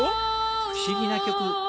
不思議な曲。